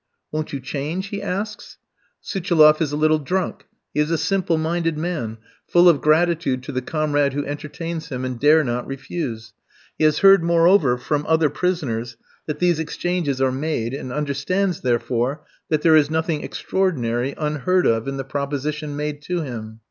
"Won't you change?" he asks. Suchiloff is a little drunk, he is a simple minded man, full of gratitude to the comrade who entertains him, and dare not refuse; he has heard, moreover, from other prisoners, that these exchanges are made, and understands, therefore, that there is nothing extraordinary, unheard of, in the proposition made to him.